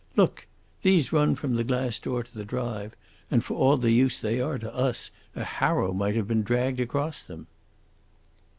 Look! These run from the glass door to the drive, and, for all the use they are to us, a harrow might have been dragged across them."